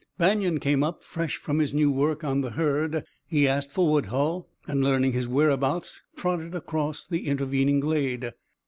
Banion came up, fresh from his new work on the herd. He asked for Woodhull, and learning his whereabouts trotted across the intervening glade.